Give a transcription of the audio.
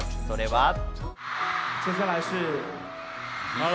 それは。